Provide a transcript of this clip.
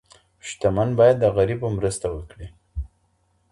شتمن باید د غریبو مرسته وکړي.